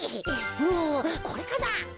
おこれかな？